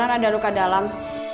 pangeran ada luka dalam